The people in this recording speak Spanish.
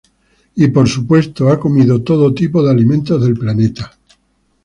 Y, por supuesto, ha comido todo tipo de alimentos del planeta.